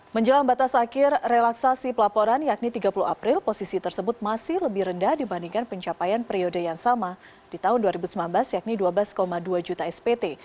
menjelang batas akhir relaksasi pelaporan yakni tiga puluh april posisi tersebut masih lebih rendah dibandingkan pencapaian periode yang sama di tahun dua ribu sembilan belas yakni dua belas dua juta spt